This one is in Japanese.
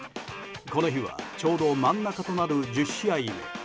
この日はちょうど真ん中となる１０試合目。